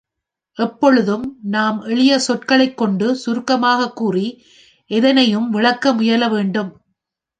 எப்பொழுதும் நாம் எளிய சொற்களைக் கொண்டு சுருக்கமாகக் கூறி எதனையும் விளக்க முயல வேண்டும்.